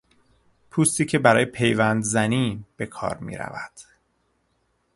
پوستی که برای پیوند زنی به کار میرود